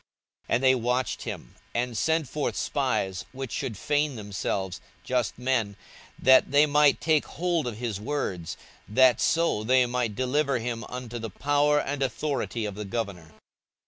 42:020:020 And they watched him, and sent forth spies, which should feign themselves just men, that they might take hold of his words, that so they might deliver him unto the power and authority of the governor.